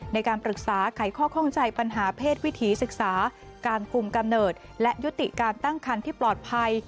ในการปรึกษาไขข้อข้องใจปัญหาเพศวิถีศึกษาการคุมกำเนิดและยุติการตั้งคันที่ปลอดภัย